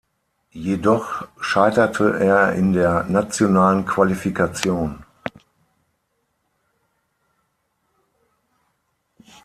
Jedoch scheiterte er in der nationalen Qualifikation.